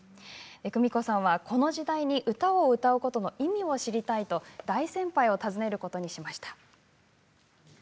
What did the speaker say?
クミコさんはこの時代に歌を歌うことの意味を知りたいと大先輩を訪ねることにしました。